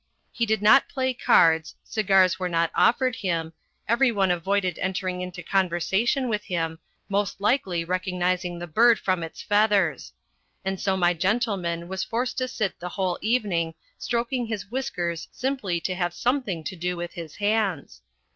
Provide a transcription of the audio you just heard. He did not play cards, cigars were not oll'eivd him. every one avoided entering into conversation \\ilh him, most likely the bird from its feathers; and so my gentleman 200 A CHRISTMAS TREE AND A WEDDING 201 was forced to sit the whole evening stroking his whiskers simply to have something to do with his hands.